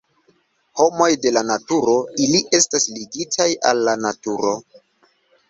Homoj de la naturo, ili estas ligitaj al la naturo.